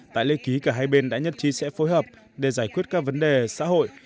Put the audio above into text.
tại lễ ký cả hai bên đã nhất trí sẽ phối hợp để giải quyết các vấn đề xã hội